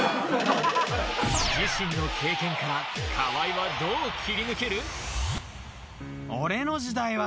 自身の経験から河合はどう切り抜ける？